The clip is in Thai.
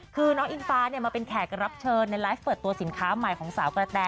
คือน้องอิงฟ้ามาเป็นแขกรับเชิญในไลฟ์เปิดตัวสินค้าใหม่ของสาวกระแต